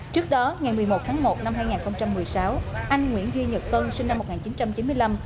trước đó ngày một mươi một tháng một năm hai nghìn một mươi sáu anh nguyễn duy nhật tân sinh năm một nghìn chín trăm chín mươi năm